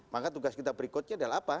maka tugas kita berikutnya adalah apa